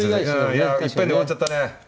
いやいっぺんで終わっちゃったね。